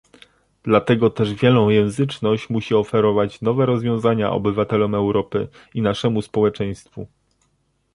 Dlatego też wielojęzyczność musi oferować nowe rozwiązania obywatelom Europy i naszemu społeczeństwu